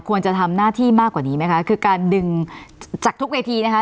ควรจะทำหน้าที่มากกว่านี้ไหมคะคือการดึงจากทุกเวทีนะคะ